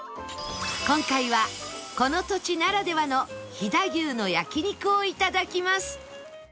今回はこの土地ならではの飛騨牛の焼肉を頂きます